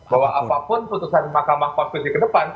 bahwa apapun putusan mahkamah konstitusi ke depan